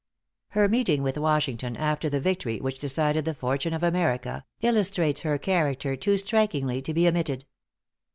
Her meeting with Washington, after the victory which decided the fortune of America, illustrates her character too strikingly to be omitted.